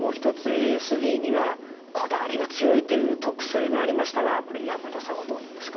ＡＳＤにはこだわりが強いという特性がありましたがこれ山田さんはどうなんですか？